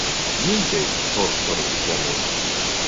Ниндәй «Тор-тор» икән ул?